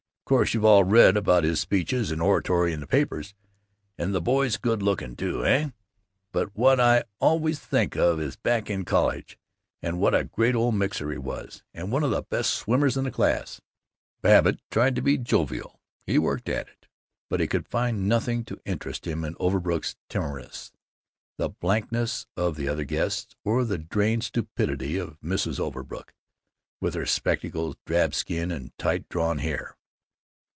Of course you've all read about his speeches and oratory in the papers and the boy's good looking, too, eh? but what I always think of is back in college, and what a great old mixer he was, and one of the best swimmers in the class." Babbitt tried to be jovial; he worked at it; but he could find nothing to interest him in Overbrook's timorousness, the blankness of the other guests, or the drained stupidity of Mrs. Overbrook, with her spectacles, drab skin, and tight drawn hair.